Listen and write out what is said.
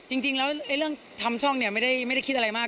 จริงแล้วเรื่องทำช่องเนี่ยไม่ได้คิดอะไรมาก